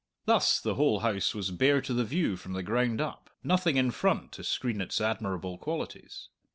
Thus the whole house was bare to the view from the ground up, nothing in front to screen its admirable qualities.